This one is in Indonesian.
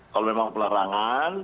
kalau memang pelarangan